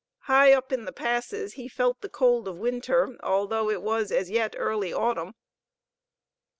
High up in the passes he felt the cold of Winter, although it was as yet early Autumn.